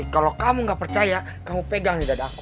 kalo kamu gak percaya kamu pegang lidah aku